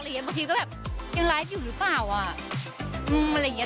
เมื่อกี้ก็แบบยังไลฟ์อยู่หรือเปล่า